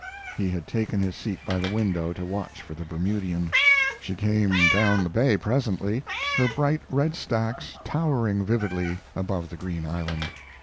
He had taken his seat by the window to watch for the Bermudian. She came down the bay presently, her bright red stacks towering vividly above the green island.